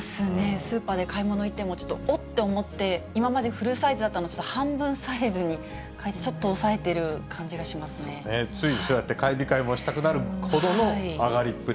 スーパーで買い物行っても、ちょっとおって思って、今までフルサイズだったのを半分サイズに変えて、抑えてる感じがですね、ついそうやって買い控えしたくなるほどの上がりっぷり。